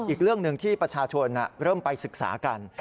อีกเรื่องหนึ่งที่ประชาชนเริ่มไปศึกษากัน